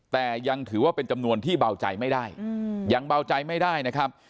แต่ยังถือว่าเป็นจำนวนที่เบาใจไม่ได้ยังเบาใจไม่ได้นะครับ